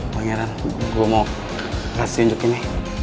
pengiran gue mau kasihin duit ini